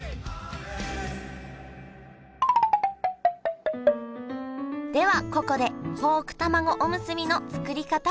ではここでポークたまごおむすびの作り方をご紹介。